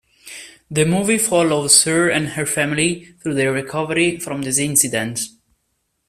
The movie follows her and her family through their recovery from this incident.